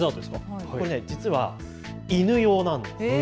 これ、実は犬用なんです。